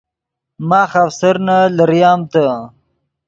ماخ آفسرنے لریم تے